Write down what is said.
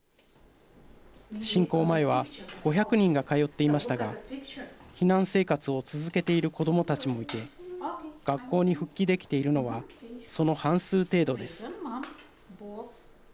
侵攻前は５００人が通っていましたが避難生活を続けている子どもたちもいて学校に復帰できているのはその半数程度です。